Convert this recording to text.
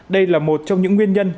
đây là một trong những nguyên nhân